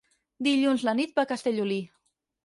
Dilluns na Nit va a Castellolí.